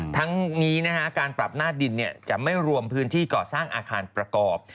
ทั้งนี้การปรับหน้าดินจะไม่รวมพื้นที่ก่อสร้างอาคารประกอบ